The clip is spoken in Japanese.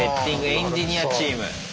エンジニアチーム。